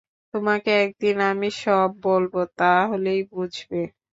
তোমাকে এক দিন আমি সব বলব, তাহলেই বুঝবে।